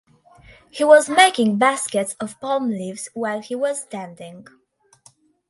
He was making baskets of palm leaves while he was standing.